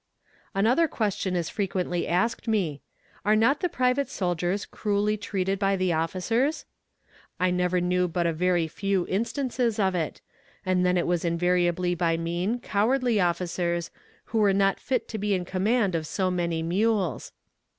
Another question is frequently asked me "Are not the private soldiers cruelly treated by the officers?" I never knew but a very few instances of it, and then it was invariably by mean, cowardly officers, who were not fit to be in command of so many mules.